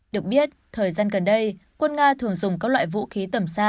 được biết thời gian gần đây quân nga thường dùng các loại vũ khí tầm xa